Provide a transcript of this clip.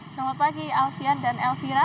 selamat pagi alfian dan elvira